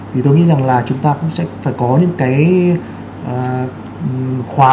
thì tôi nghĩ rằng là chúng ta cũng sẽ phải có những cái khóa